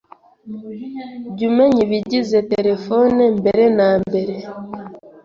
Jya umenya ibigize terefone mbere na mbere